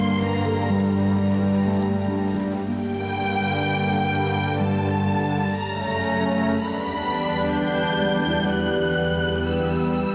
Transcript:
ehh mereka tak presidente pada kehadirannya